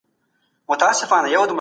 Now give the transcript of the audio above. سالم ذهن ناامیدي نه زیاتوي.